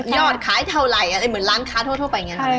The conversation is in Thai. ยอดขายเท่าไหร่อะไรเหมือนแรงล้างค้าโทษไป